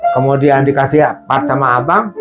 kemudian dikasih part sama abang